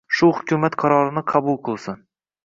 Shu hukumat qarorini qabul qilsin